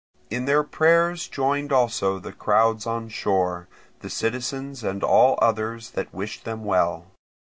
In their prayers joined also the crowds on shore, the citizens and all others that wished them well.